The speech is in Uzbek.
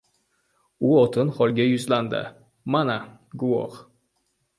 — U otin xolaga yuzlandi. — Mana, guvoh!